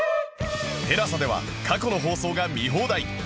ＴＥＬＡＳＡ では過去の放送が見放題！